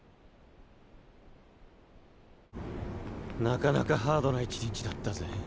なかなかハードな１日だったぜ。